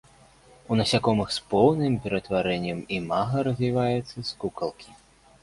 У насякомых з поўным ператварэннем імага развіваецца з кукалкі.